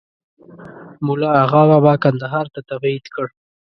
مُلا آغابابا کندهار ته تبعید کړ.